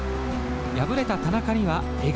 敗れた田中には笑顔。